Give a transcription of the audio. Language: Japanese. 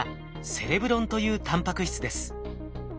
セレブロンというタンパク質です。